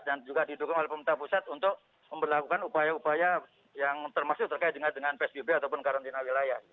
dan juga didukung oleh pemerintah pusat untuk memperlakukan upaya upaya yang termasuk terkait dengan psbb ataupun karantina wilayah